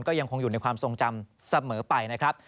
ก็ยังคงอยู่ในความทรงจำเสมอไปนะครับ